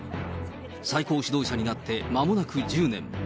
最高指導者になってまもなく１０年。